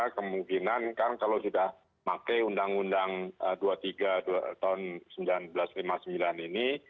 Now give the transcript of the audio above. kemungkinan kan kalau sudah pakai undang undang dua puluh tiga tahun seribu sembilan ratus lima puluh sembilan ini